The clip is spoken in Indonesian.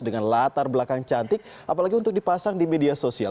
dengan latar belakang cantik apalagi untuk dipasang di media sosial